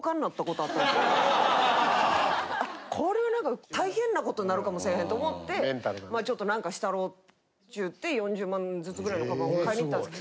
これは何か大変なことになるかもしれへんと思ってまあちょっと何かしたろうっちゅうて４０万ずつぐらいのカバンを買いに行ったんです。